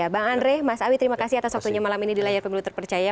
bang andre mas awi terima kasih atas waktunya malam ini di layar pemilu terpercaya